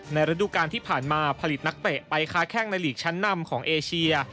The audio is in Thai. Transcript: ระดูการที่ผ่านมาผลิตนักเตะไปค้าแข้งในหลีกชั้นนำของเอเชีย